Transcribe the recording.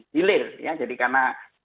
hilir jadi karena